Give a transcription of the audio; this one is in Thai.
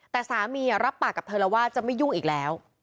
แต่สามีรับปากกับเธอแล้วว่าจะไม่ยุ่งอีกแล้ว